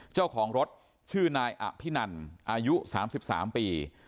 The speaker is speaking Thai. เจ้าของรถชื่อนายอภินันอายุ๓๓ปี